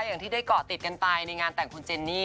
อย่างที่ได้เกาะติดกันไปในงานแต่งคุณเจนนี่